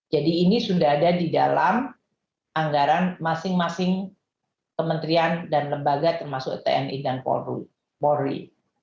jadi ini sudah ada di dalam anggaran masing masing kementerian dan lembaga termasuk tni dan polri